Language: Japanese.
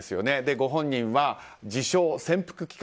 ご本人は、自称潜伏期間